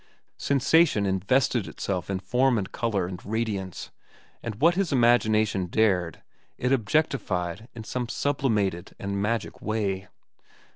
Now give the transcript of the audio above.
Sensation invested itself in form and color and radiance, and what his imagination dared, it objectified in some sublimated and magic way.